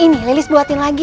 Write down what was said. ini lilis buatin lagi